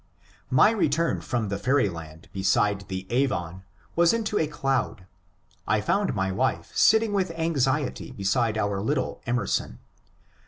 My return from the fairyland beside the Avon was into a cloud. I found my wife sitting with anxiety beside our little Emerson.